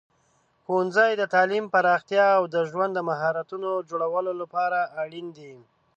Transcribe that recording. ښوونځي د تعلیم پراختیا او د ژوند مهارتونو د جوړولو لپاره اړین دي.